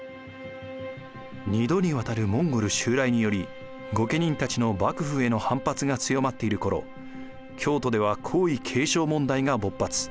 ２度にわたるモンゴル襲来により御家人たちの幕府への反発が強まっている頃京都では皇位継承問題が勃発。